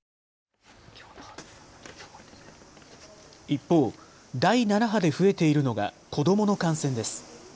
一方、第７波で増えているのが子どもの感染です。